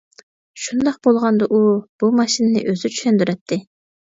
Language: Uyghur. شۇنداق بولغاندا ئۇ بۇ ماشىنىنى ئۆزى چۈشەندۈرەتتى.